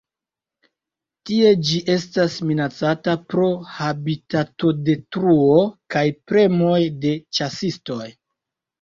Tie ĝi estas minacata pro habitatodetruo kaj premoj de ĉasistoj.